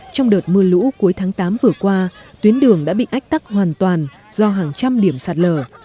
trong đợt mưa lũ cuối tháng tám vừa qua tuyến đường đã bị ách tắc hoàn toàn do hàng trăm điểm sạt lở